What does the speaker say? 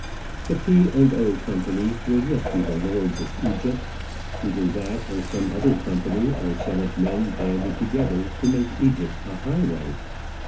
The P. and O. Company will yet be the lords of Egypt; either that or some other company or set of men banded together to make Egypt a highway.